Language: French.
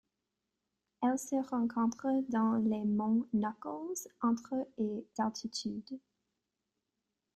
Elle se rencontre dans les monts Knuckles, entre et d'altitude.